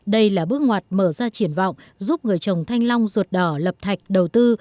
đây là bước ngoặt mở ra triển vọng giúp người trồng thanh long ruột đỏ lập thạch đầu tư